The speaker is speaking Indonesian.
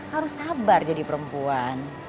harus sabar jadi perempuan